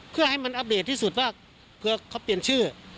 เพื่อให้มันอัปเดตที่สุดว่าเผื่อเขาเปลี่ยนชื่อ